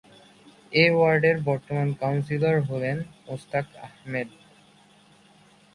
এ ওয়ার্ডের বর্তমান কাউন্সিলর হলেন মোস্তাক আহমেদ।